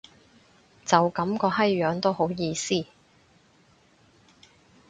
就噉個閪樣都好意思